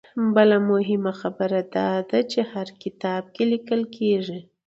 بله مهمه خبره دا ده چې هر کتاب چې ليکل کيږي